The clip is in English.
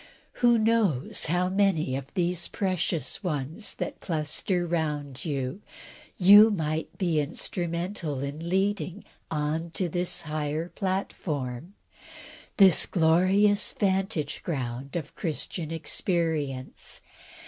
Who knows how many of these precious ones that cluster round you, you may be instrumental in leading on to this higher platform this glorious vantage ground of Christian experience?